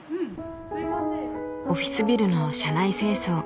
オフィスビルの社内清掃。